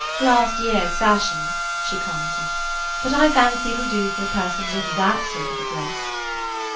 "Last year's fashion," she commented; "but I fancy it 'll do for a person with that sort of address."